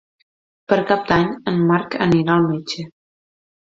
Per Cap d'Any en Marc anirà al metge.